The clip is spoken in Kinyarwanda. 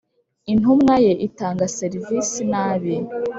intumwa ye itanga serivisi nabi.